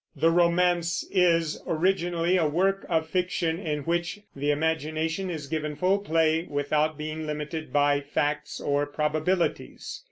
The romance is, originally, a work of fiction in which the imagination is given full play without being limited by facts or probabilities.